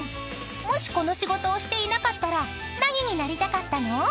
［もしこの仕事をしていなかったら何になりたかったの？